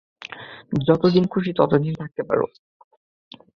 যতদিন খুশি ততদিন থাকতে পারো।